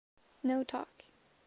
No talk.